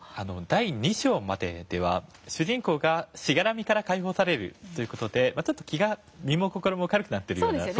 第２章まででは主人公がしがらみから解放されるという事で身も心も軽くなってるような。